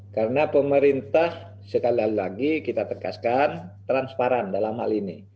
karena pemerintah sekali lagi kita tekaskan transparan dalam hal ini